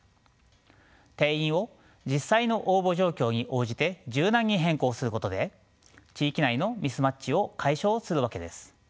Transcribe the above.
定員を実際の応募状況に応じて柔軟に変更することで地域内のミスマッチを解消するわけです。